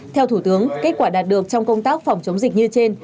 theo thủ tướng kết quả đạt được trong công tác phòng chống dịch như trên